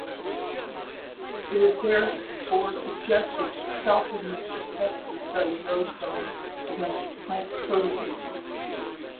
It is therefore suggested that celpin may protect the cellulosome against plant proteases.